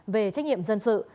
về trách nhiệm dân sự